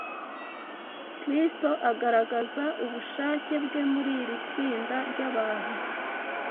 Kristo agaragaza ubushake bwe muri iri tsinda ry’abantu